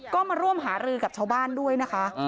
ก็มาร่วมหารือกับชาวบ้านด้วยนะคะ